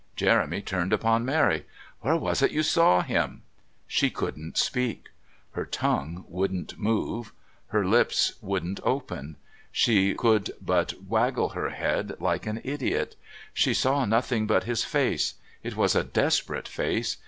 Jeremy turned upon Mary. "Where was it you saw him?" She couldn't speak. Her tongue wouldn't move, her lips wouldn't open; she could but waggle her head like an idiot. She saw nothing but his face. It was a desperate face.